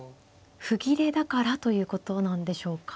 歩切れだからということなんでしょうか。